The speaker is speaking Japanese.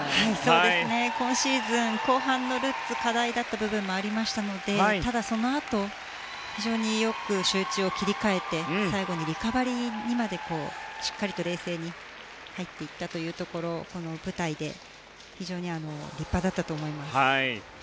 今シーズン、後半のルッツ課題だった部分もありましたのでただ、そのあと非常によく集中を切り替えて最後にリカバリーにまでしっかりと冷静に入っていったというところこの舞台で非常に立派だったと思います。